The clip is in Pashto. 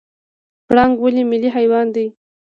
پړانګ ولې ملي حیوان دی؟